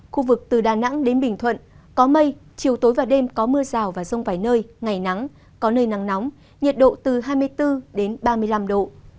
khu vực từ đà nẵng đến bình thuận có mây chiều tối và đêm có mưa rào và rông vài nơi ngày nắng có nơi nắng nóng nhiệt độ từ hai mươi bốn đến ba mươi năm độ